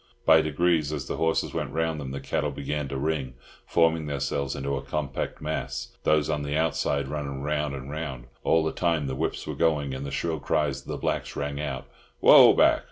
By degrees, as the horses went round them, the cattle began to "ring," forming themselves into a compact mass, those on the outside running round and round. All the time the whips were going, and the shrill cries of the blacks rang out, "Whoa back!